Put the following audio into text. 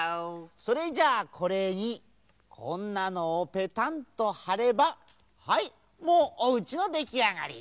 それじゃあこれにこんなのをぺたんとはればはいもうおうちのできあがり。